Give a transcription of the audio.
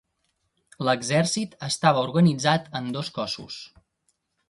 L'exèrcit estava organitzat en dos cossos.